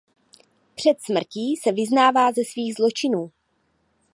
Před smrtí se vyznává ze svých zločinů.